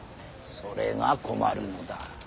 それが困るのだ。